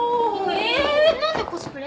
えっ何でコスプレ？